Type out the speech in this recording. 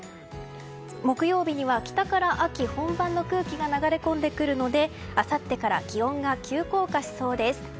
木曜日には北から秋本番の風が流れ込んでくるのであさってから気温が急降下しそうです。